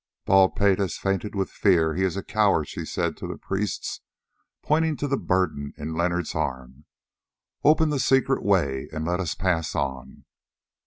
"Bald pate has fainted with fear, he is a coward," she said to the priests, pointing to the burden in Leonard's arms; "open the secret way, and let us pass on."